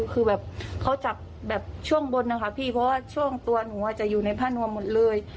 คือแบบเขาจับแบบช่วงบนนะคะพี่เพราะว่าช่วงตัวหนูจะอยู่ในผ้านวมหมดเลย